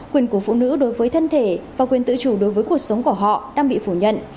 quyền của phụ nữ đối với thân thể và quyền tự chủ đối với cuộc sống của họ đang bị phủ nhận